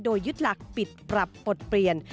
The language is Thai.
โดยยึดหลักปิดปรับปลดเปลี่ยน